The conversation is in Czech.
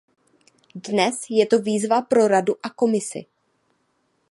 Dnes je to výzva pro Radu a Komisi.